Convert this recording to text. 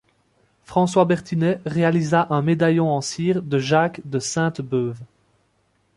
François Bertinet réalisa un médaillon en cire de Jacques de Sainte-Beuve.